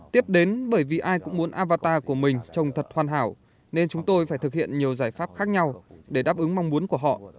tiếp đến bởi vì ai cũng muốn avatar của mình trồng thật hoàn hảo nên chúng tôi phải thực hiện nhiều giải pháp khác nhau để đáp ứng mong muốn của họ